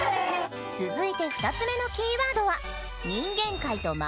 続いて２つ目のキーワードは。